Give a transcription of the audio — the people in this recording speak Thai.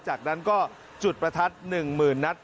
จากนั้นก็จุดประทัด๑หมื่นนัก